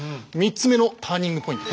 ３つ目のターニングポイント